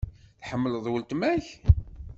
Tḥemmleḍ weltma-k?